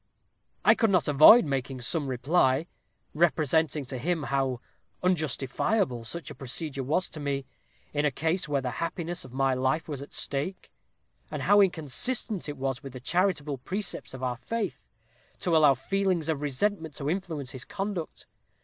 "I could not avoid making some reply, representing to him how unjustifiable such a procedure was to me, in a case where the happiness of my life was at stake; and how inconsistent it was with the charitable precepts of our faith, to allow feelings of resentment to influence his conduct.